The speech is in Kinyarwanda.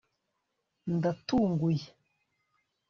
ndatunguye